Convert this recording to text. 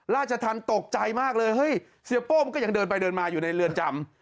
ราชธรรมตกใจมากเลยเฮ้ยเสียโป้มันก็ยังเดินไปเดินมาอยู่ในเรือนจำ